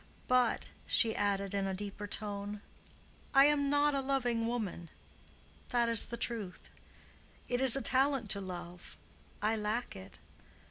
"But,"——she added in a deeper tone,——"I am not a loving woman. That is the truth. It is a talent to love—I lack it.